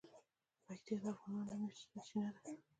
پکتیا د افغانانو د معیشت سرچینه ده.